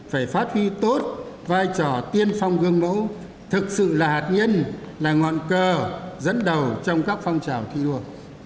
phải phát huy tốt vai trò tiên phong gương mẫu thực sự là hạt nhân là ngọn cờ dẫn đầu trong các phong trào thi đua